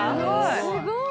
すごい。